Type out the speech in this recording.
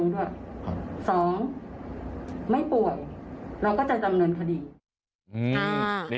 ๒ไม่ป่วยเราก็จะจำเนินคดี